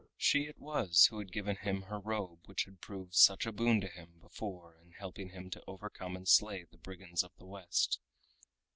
She it was who had given him her robe which had proved such a boon to him before in helping him to overcome and slay the brigands of the West.